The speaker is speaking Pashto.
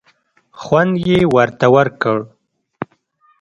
خوند یې ورته ورکړ.